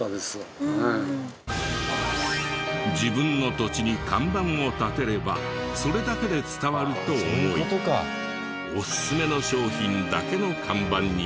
自分の土地に看板を立てればそれだけで伝わると思いオススメの商品だけの看板にしていた。